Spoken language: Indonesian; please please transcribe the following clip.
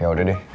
ya udah deh